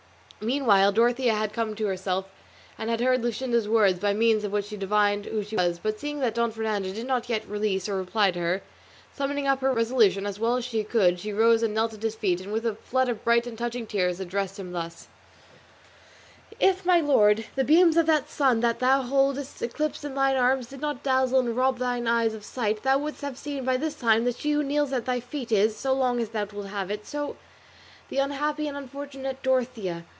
Meanwhile Dorothea had come to herself, and had heard Luscinda's words, by means of which she divined who she was; but seeing that Don Fernando did not yet release her or reply to her, summoning up her resolution as well as she could she rose and knelt at his feet, and with a flood of bright and touching tears addressed him thus: "If, my lord, the beams of that sun that thou holdest eclipsed in thine arms did not dazzle and rob thine eyes of sight thou wouldst have seen by this time that she who kneels at thy feet is, so long as thou wilt have it so, the unhappy and unfortunate Dorothea.